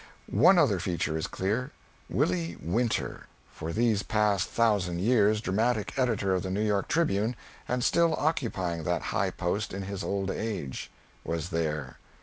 One other feature is clear Willie Winter (for these past thousand years dramatic editor of the "New York Tribune," and still occupying that high post in his old age) was there.